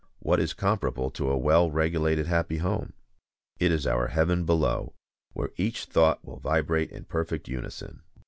What is comparable to a well regulated, happy home? It is our heaven below, where each thought will vibrate in perfect unison.